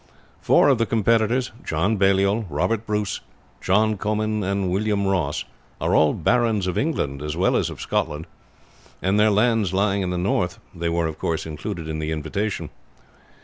Four of the competitors, John Baliol, Robert Bruce, John Comyn, and William Ross, are all barons of England as well as of Scotland, and their lands lying in the north they were, of course, included in the invitation.